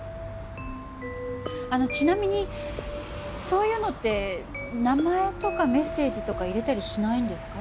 あのちなみにそういうのって名前とかメッセージとか入れたりしないんですか？